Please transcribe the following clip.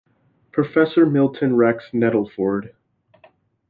Professor Milton "Rex" Nettleford.